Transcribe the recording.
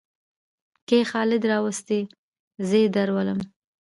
کې خالد راوستى؛ زې درولم.